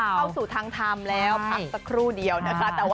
เข้าสู่ทางทำแล้วพักสักครู่เดียวนะคะ